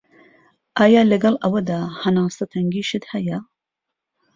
ئایا لەگەڵ ئەوەدا هەناسه تەنگیشت هەیە؟